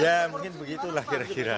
ya mungkin begitulah kira kira